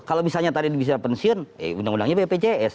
kalau misalnya tadi di bisnis pensiun undang undangnya bpjs